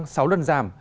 giá xăng sáu lần giảm